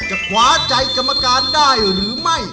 ขวาใจกรรมการได้หรือไม่